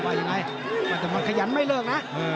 ว่ายังไงแต่มันขยันไม่เลิกนะ